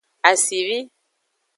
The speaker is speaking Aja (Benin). Asivi.